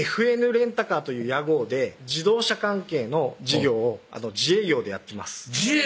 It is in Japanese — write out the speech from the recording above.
ＦＮレンタカーという屋号で自動車関係の事業を自営業でやってます